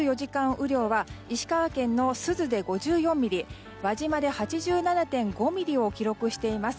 雨量は石川県の珠洲で５４ミリ輪島で８７．５ミリを記録しています。